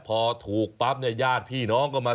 พอถูกปั๊บเนี่ยญาติพี่น้องก็มา